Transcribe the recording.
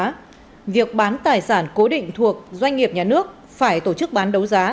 tuy nhiên việc bán tài sản cố định thuộc doanh nghiệp nhà nước phải tổ chức bán đấu giá